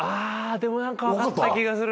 でも何か分かった気がする。